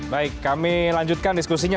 baik kami lanjutkan diskusinya